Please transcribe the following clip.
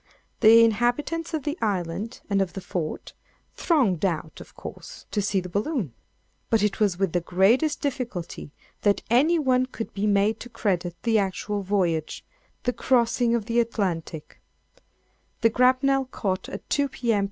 The inhabitants of the island, and of the fort, thronged out, of course, to see the balloon; but it was with the greatest difficulty that any one could be made to credit the actual voyage—the crossing of the Atlantic. The grapnel caught at 2, P.M.